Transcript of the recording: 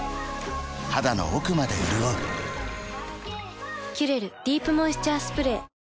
肌の奥まで潤う「キュレルディープモイスチャースプレー」